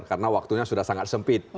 karena waktunya sudah sangat sempit